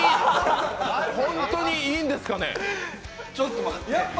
本当にいいんですかね？